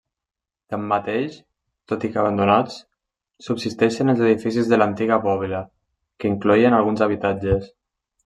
Tanmateix, tot i que abandonats, subsisteixen els edificis de l'antiga bòbila, que incloïen alguns habitatges.